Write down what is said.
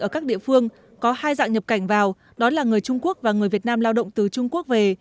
ở các địa phương có hai dạng nhập cảnh vào đó là người trung quốc và người việt nam lao động từ trung quốc về